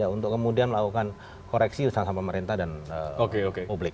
untuk kemudian melakukan koreksi bersama pemerintah dan publik